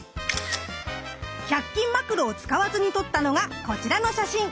１００均マクロを使わずに撮ったのがこちらの写真。